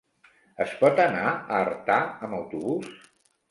Es pot anar a Artà amb autobús?